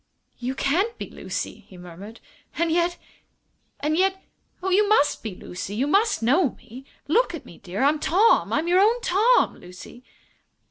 "You can't be Lucy!" he murmured. "And yet and yet oh, you must be Lucy! You must know me! Look at me, dear I'm Tom. I'm your own Tom, Lucy!"